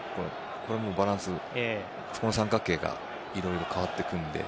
これもバランス、この三角形がいろいろ変わってくるので。